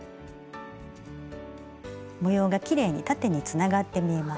模様がきれいに縦につながって見えます。